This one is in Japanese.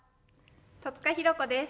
戸塚寛子です。